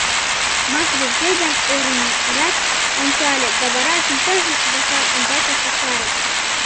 Маша ден Федям ӧрынрак ончале да вара шинчажым Захар ӱмбаке кусарыш.